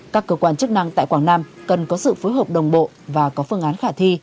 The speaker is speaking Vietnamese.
các cơ quan chức năng tại quảng nam cần có sự phối hợp đồng bộ và có phương án khả thi